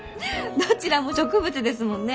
どちらも植物ですもんね！